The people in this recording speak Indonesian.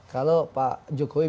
kalau pak jokowi